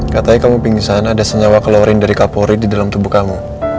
katanya kamu pingin disana ada senyawa kelorin dari kapurit di dalam tubuh kamu